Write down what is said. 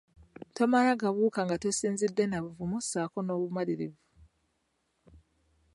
Tomala gabuuka nga tosinzidde na buvumu ssaako n'obumalirivu.